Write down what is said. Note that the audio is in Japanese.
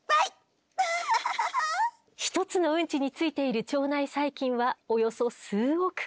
１つのウンチについている腸内細菌はおよそ数億個。